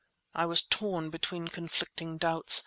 I was torn between conflicting doubts.